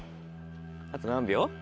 あと何秒？